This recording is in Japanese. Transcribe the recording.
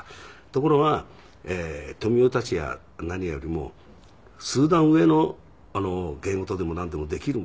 ところが富美男たちや何よりも数段上の芸事でもなんでもできる。